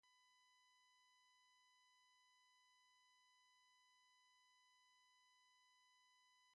The whole tribe publicly worships the spirits of its departed monarchs.